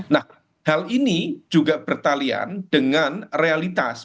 nah hal ini juga bertalian dengan realitas